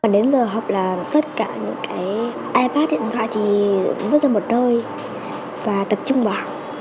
đến giờ học là tất cả những cái ipad điện thoại thì bứt ra một đôi và tập trung vào học